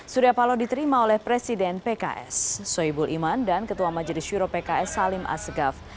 surya paloh diterima oleh presiden pks soebul iman dan ketua majelis syuro pks salim asgaf